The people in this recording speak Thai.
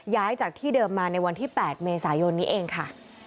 ย้ายจากที่เดิมมาในวันที่๘เมษายนนี้เองค่ะ